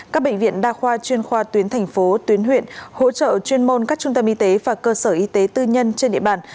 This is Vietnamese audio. các bệnh viện đa khoa chuyên khoa tuyến thành phố tuyến huyện hỗ trợ chuyên môn các trung tâm y tế và cơ sở y tế tư nhân trên địa bàn